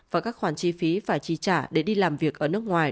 và các khoản chi phí phải chi trả để đi làm việc ở nước ngoài